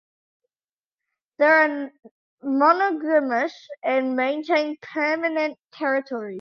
They are monogamous and maintain permanent territories.